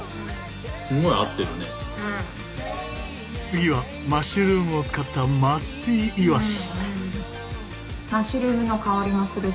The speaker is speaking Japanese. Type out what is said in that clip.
次はマッシュルームを使ったマスティーイワシ。